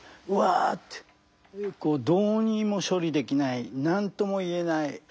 うわってどうにも処理できない何とも言えない